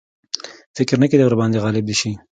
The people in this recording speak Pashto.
فکر نه کېدی ورباندي غالب دي شي.